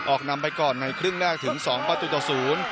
นำไปก่อนในครึ่งแรกถึง๒ประตูต่อศูนย์